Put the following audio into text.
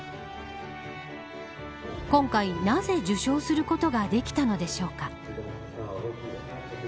今回、なぜ受賞することができたのでしょうか。